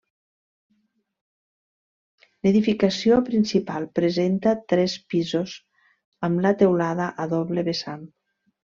L'edificació principal presenta tres pisos amb la teulada a doble vessant.